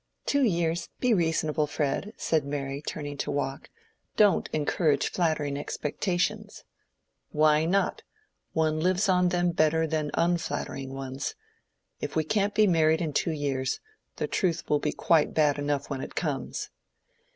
"Two years! be reasonable, Fred," said Mary, turning to walk. "Don't encourage flattering expectations." "Why not? One lives on them better than on unflattering ones. If we can't be married in two years, the truth will be quite bad enough when it comes."